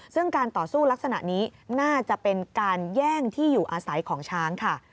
ซึ่งการต่อสู้ลักษณะนี้น่าจะเป็นการแย่งที่อยู่อาศัยของช้างค่ะ